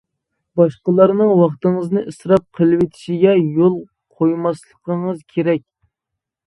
باشقىلارنىڭ ۋاقتىڭىزنى ئىسراپ قىلىۋېتىشىگە يول قويماسلىقىڭىز كېرەك.